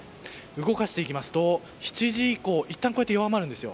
動かしていきますと７時以降、いったん弱まるんです。